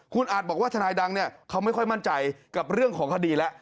คุณอาจบอกว่าทนายดังเนี่ยเขาไม่ค่อยมั่นใจกับเรื่องของคดีแล้ว